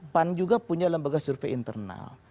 pan juga punya lembaga survei internal